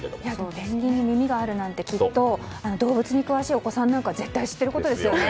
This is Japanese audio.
ペンギンに耳があるなんてきっと動物に詳しいお子さんは絶対知っていることですよね。